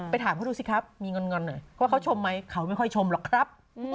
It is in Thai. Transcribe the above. ถามเขาดูสิครับมีงอนหน่อยว่าเขาชมไหมเขาไม่ค่อยชมหรอกครับ